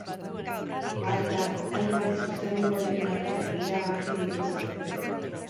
Alta, hainbat zuzenekoren datak iragarri dituzte.